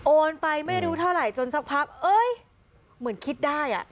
ไปไม่รู้เท่าไหร่จนสักพักเอ้ยเหมือนคิดได้อ่ะ